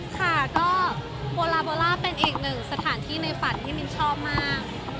ค่ะก็โบลาโบล่าเป็นอีกหนึ่งสถานที่ในฝันที่มินชอบมาก